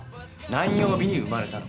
「何曜日に生まれたの」。